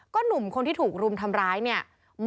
หนุ่มคนที่ถูกรุมทำร้ายเนี่ย